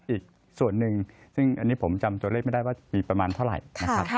อีกส่วนหนึ่งซึ่งอันนี้ผมจำตัวเลขไม่ได้ว่ามีประมาณเท่าไหร่นะครับ